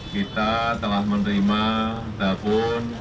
kita telah menerima dapur